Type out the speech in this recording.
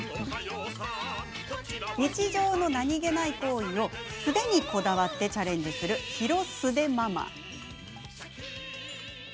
日常の何気ない行為を素手にこだわってチャレンジするヒロスデママです。